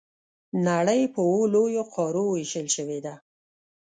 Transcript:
نړۍ په اووه لویو قارو وېشل شوې ده.